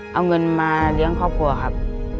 เอาเงินมาเลี้ยงครอบครัวครับ